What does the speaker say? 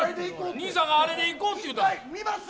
兄さんがあれでいこうって言ったんです。